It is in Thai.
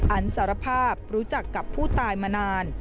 อันสารภาพรู้จักกับผู้ตายมานาน